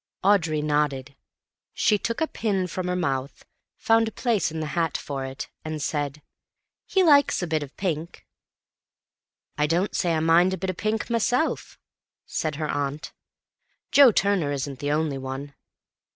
Audrey nodded. She took a pin from her mouth, found a place in the hat for it, and said, "He likes a bit of pink." "I don't say I mind a bit of pink myself," said her aunt. "Joe Turner isn't the only one."